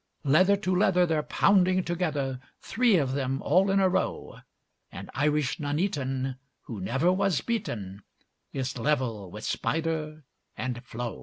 Leather to leather, they're pounding together, Three of them all in a row; And Irish Nuneaton, who never was beaten, Is level with Spider and Flo.